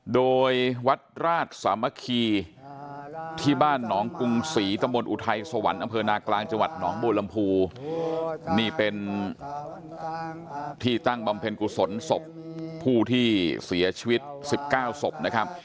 โดยวัดราชสามัคคีที่บ้านหนองกรุงศรีตะมนต์อุทัยสวรรค์อำเภอนากลางจังหวัดหนองบัวลำพูนี่เป็นที่ตั้งบำเพ็ญกุศลศพผู้ที่เสียชีวิต๑๙ศพนะครับ